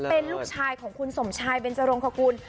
เป็นลูกชายของคุณสมชายเบนจรงคกุล